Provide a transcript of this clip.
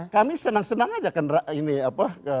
kami senang senang aja ini apa